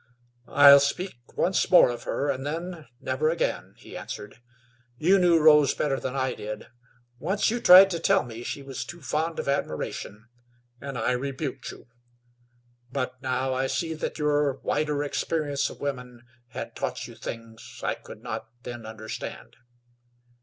"I'll speak once more of her, and then, never again," he answered. "You knew Rose better than I did. Once you tried to tell me she was too fond of admiration, and I rebuked you; but now I see that your wider experience of women had taught you things I could not then understand.